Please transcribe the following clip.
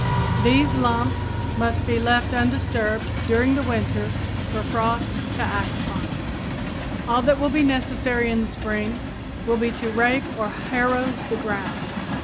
These lumps must be left undisturbed during the winter for frost to act upon. All that will be necessary in the spring will be to rake or harrow the ground.